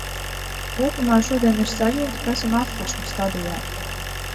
Kopumā šodien ir sajūta, ka esam atkušņa stadijā.